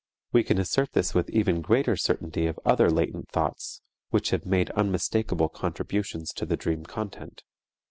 We can assert this with even greater certainty of other latent thoughts which have made unmistakable contributions to the dream content.